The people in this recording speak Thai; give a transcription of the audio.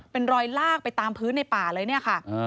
เป็นรอยลากไปตามพื้นในป่าเลยเนี่ยค่ะ